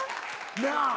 なぁ